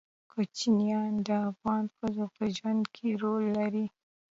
کوچیان د افغان ښځو په ژوند کې رول لري.